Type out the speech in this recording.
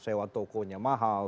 sewa tokonya mahal